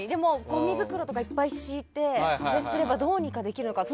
ごみ袋とかいっぱい敷いたらどうにかできるかな。